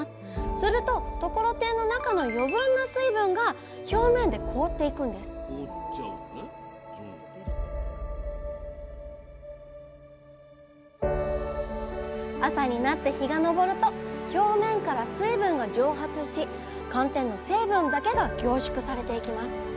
するとところてんの中の余分な水分が表面で凍っていくんです朝になって日が昇ると表面から水分が蒸発し寒天の成分だけが凝縮されていきます。